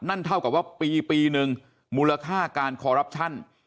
นั่นเท่ากับว่าปีหนึ่งมูลค่าการคอรัปชั่น